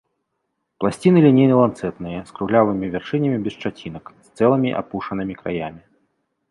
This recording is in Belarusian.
Пласціны лінейна-ланцэтныя, з круглявымі вяршынямі без шчацінак, з цэлымі апушанымі краямі.